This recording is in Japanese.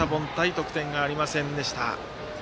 得点がありませんでした。